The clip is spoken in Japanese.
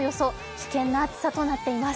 危険な暑さとなっています。